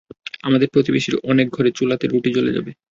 আমাদের প্রতিবেশীর অনেক ঘরে চুলাতে রুটি জ্বলে যাবে।